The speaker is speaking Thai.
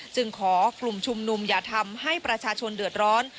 จึงขอกลุ่มชุมนุมอย่าทำให้ประชาชนเดือดร้อน